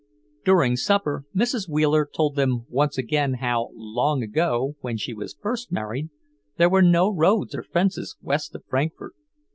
During supper Mrs. Wheeler told them once again how, long ago when she was first married, there were no roads or fences west of Frankfort.